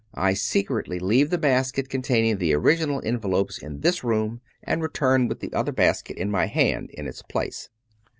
I secretly leave the basket con taining the original envelopes in this room and return with the other basket in my hand in its place.